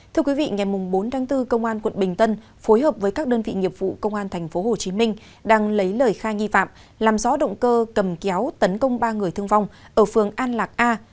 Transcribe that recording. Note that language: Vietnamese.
thưa quý vị ngày bốn tháng bốn công an quận bình tân phối hợp với các đơn vị nghiệp vụ công an tp hcm đang lấy lời khai nghi phạm làm rõ động cơ cầm kéo tấn công ba người thương vong ở phường an lạc a